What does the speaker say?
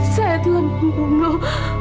saya telah membunuh